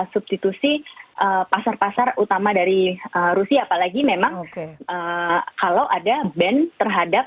substitusi pasar pasar utama dari rusia apalagi memang kalau ada ban terhadap